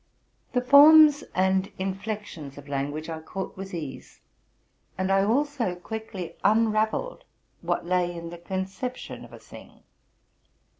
The forms and inflections of language I caught with ease ; and I also quickly unravelled what lay in the conception of a thing.